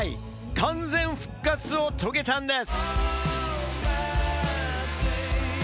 完全復活を遂げたんです。